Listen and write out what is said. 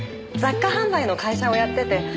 雑貨販売の会社をやってて。